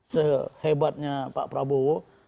sehebatnya pak prabowo